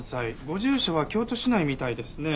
ご住所は京都市内みたいですね。